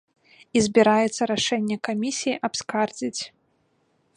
І збіраецца рашэнне камісіі абскардзіць.